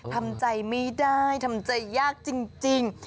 ทำใจไม่ได้ทำใจยากจริง